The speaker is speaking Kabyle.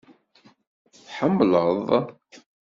Tḥemmleḍ?